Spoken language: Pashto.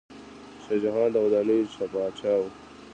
شاه جهان د ودانیو پاچا و.